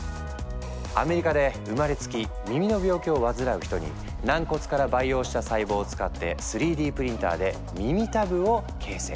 アメリカで生まれつき耳の病気を患う人に軟骨から培養した細胞を使って３Ｄプリンターで耳たぶを形成。